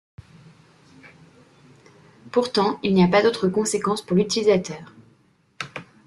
Pourtant, il n'y a pas d'autres conséquences pour l'utilisateur.